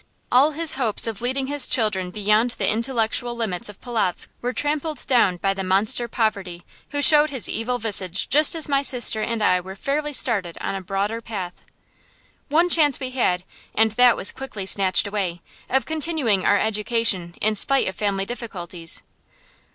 All his hopes of leading his children beyond the intellectual limits of Polotzk were trampled down by the monster poverty who showed his evil visage just as my sister and I were fairly started on a broader path. One chance we had, and that was quickly snatched away, of continuing our education in spite of family difficulties.